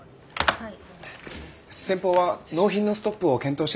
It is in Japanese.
はい。